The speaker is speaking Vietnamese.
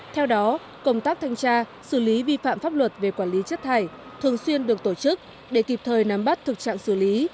theo đó công tác thanh tra xử lý vi phạm pháp luật về quản lý chất thải thường xuyên được tổ chức để kịp thời nắm bắt thực trạng xử lý